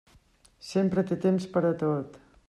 Sempre té temps per a tot.